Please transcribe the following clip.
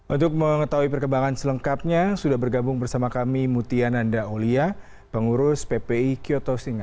untuk mengetahui perkembangan selengkapnya sudah bergabung bersama kami mutia nanda olia pengurus ppi kyoto singa